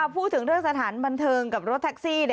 พูดถึงเรื่องสถานบันเทิงกับรถแท็กซี่